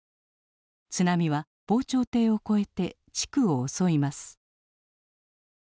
津波は防潮堤を越えて地区を襲います。